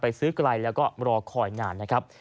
ซื้อไกลแล้วก็รอคอยนานนะครับ